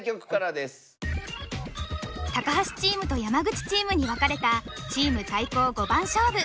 高橋チームと山口チームに分かれたチーム対抗五番勝負。